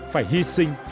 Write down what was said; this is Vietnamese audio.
phải hy sinh